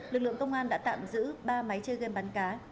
lực lượng công an đã tạm giữ ba máy chơi gam bắn cá